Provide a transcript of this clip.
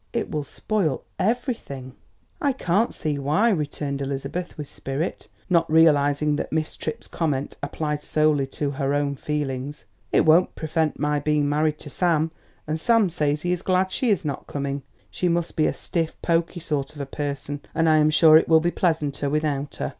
"It will spoil everything." "I can't see why," returned Elizabeth with spirit, not realising that Miss Tripp's comment applied solely to her own feelings. "It won't prevent my being married to Sam; and Sam says he is glad she is not coming. She must be a stiff, pokey sort of a person, and I am sure it will be pleasanter without her.